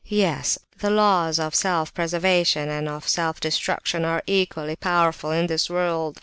Yes, the laws of self preservation and of self destruction are equally powerful in this world.